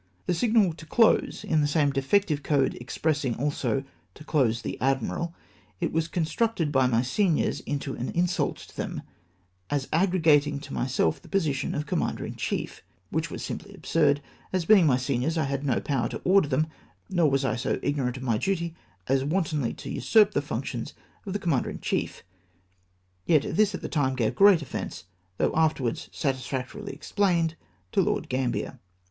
The signal " to close " in the same defective code ex pressing also " to close the Admiral^'' it was construed by my seniors into an insult to them, as arrogating to myself the position of chief in command, which was simply absurd ; as, being my seniors, I had no power to order them, nor was I so ignorant of my duty as wantonly to usurp the functions of the commander in chief. Yet this at the time gave great offence, though afterwards satisfactorily explained, to Lord Gambler.